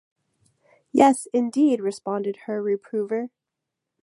‘Yes, indeed,’ responded her reprover.